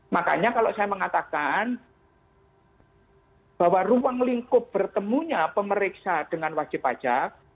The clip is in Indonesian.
makanya kalau saya mengatakan bahwa ruang lingkup bertemunya pemeriksa dengan wajib pajak